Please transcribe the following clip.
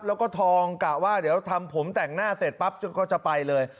แล้วก็ทองกะว่าเดี๋ยวทำผมแต่งหน้าเสร็จปั๊บจนก็จะไปเลย